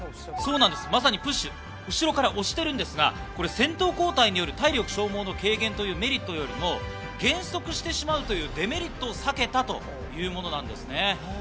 まさにプッシュ、後ろから押しているんですが、これ先頭交代による体力消耗の軽減というメリットよりも、減速してしまうというデメリットを避けたというものなんですね。